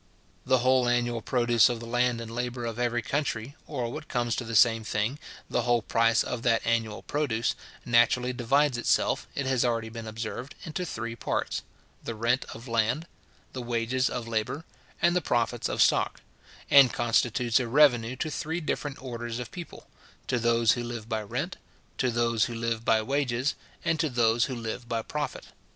The whole annual produce of the land and labour of every country, or, what comes to the same thing, the whole price of that annual produce, naturally divides itself, it has already been observed, into three parts; the rent of land, the wages of labour, and the profits of stock; and constitutes a revenue to three different orders of people; to those who live by rent, to those who live by wages, and to those who live by profit.